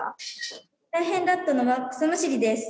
大変だったのは草むしりです。